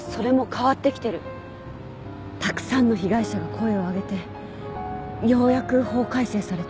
たくさんの被害者が声をあげてようやく法改正された。